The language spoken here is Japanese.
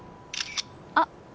あっ。